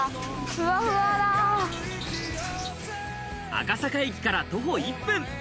赤坂駅から徒歩１分。